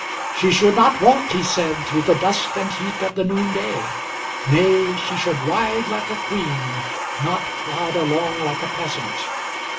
She should not walk, he said, through the dust and heat of the noonday; Nay, she should ride like a queen, not plod along like a peasant.